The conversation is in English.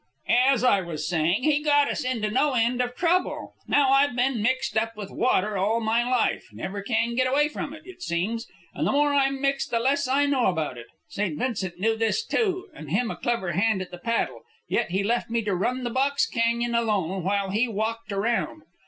"As I was saying, he got us into no end of trouble. Now, I've been mixed up with water all my life, never can get away from it, it seems, and the more I'm mixed the less I know about it. St. Vincent knew this, too, and him a clever hand at the paddle; yet he left me to run the Box Canyon alone while he walked around.